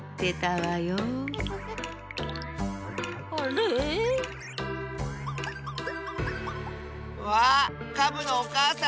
わあカブのおかあさん！